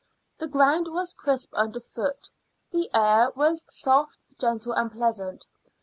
The ground was crisp under foot; the air was soft, gentle, and pleasant.